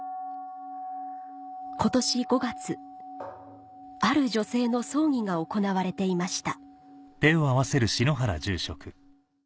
今年５月ある女性の葬儀が行われていました